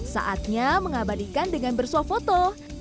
saatnya mengabadikan dengan bersuah foto